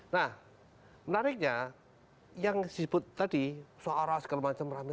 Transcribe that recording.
nah menariknya yang disebut tadi seorang segala macam rame rame itu